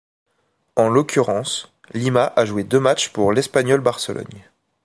En l'occurrence, Lima a joué deux matchs pour l'Espanyol Barcelone.